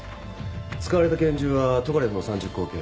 使われた拳銃はトカレフの３０口径。